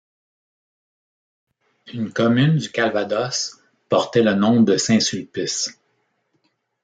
Une commune du Calvados portait le nom de Saint-Sulpice.